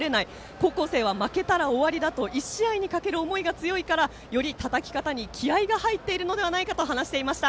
高校生は負けたら終わりだと１試合にかける思いが強いからよりたたき方に気合いが入っているのではないかと話していました。